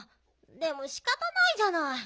でもしかたないじゃない。